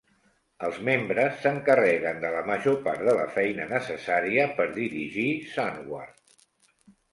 Els membres s'encarreguen de la major part de la feina necessària per dirigir Sunward.